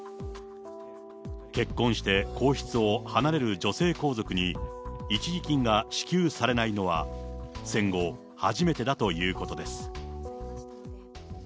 結婚して皇室を離れる女性皇族に、一時金が支給されないのは戦後初めてだということです。